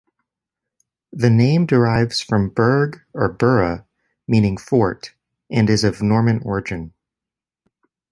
The name derives from "burg" or "burgh", meaning fort, and is of Norman origin.